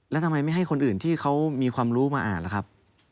แล้วทำไมไม่ให้คนอื่นที่เขามีความรู้มาอ่านล่ะครับ